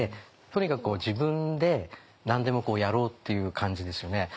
とにかく自分で何でもやろうっていう感じですよね。